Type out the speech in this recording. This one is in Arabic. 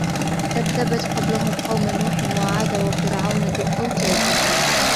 كذبت قبلهم قوم نوح وعاد وفرعون ذو الأوتاد